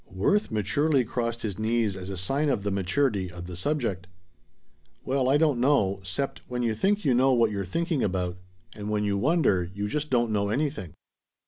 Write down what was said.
Worth maturely crossed his knees as a sign of the maturity of the subject. "Well, I don't know, 'cept when you think you know what you're thinking about, and when you wonder you just don't know anything."